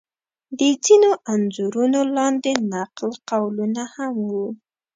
د ځینو انځورونو لاندې نقل قولونه هم و.